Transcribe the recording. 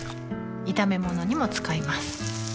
炒め物にも使います